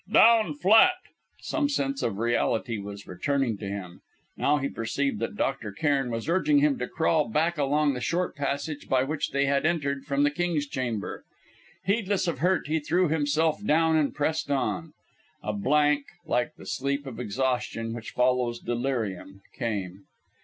"Down flat!" Some sense of reality was returning to him. Now he perceived that Dr. Cairn was urging him to crawl back along the short passage by which they had entered from the King's Chamber. Heedless of hurt, he threw himself down and pressed on. A blank, like the sleep of exhaustion which follows delirium, came.